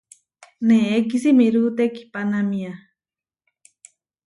Neé kisimirú tekihpánamia.